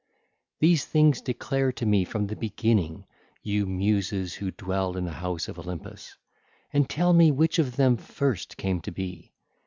These things declare to me from the beginning, ye Muses who dwell in the house of Olympus, and tell me which of them first came to be.